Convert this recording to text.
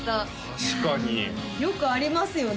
確かによくありますよね